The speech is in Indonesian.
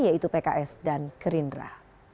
yaitu pks dan kerindra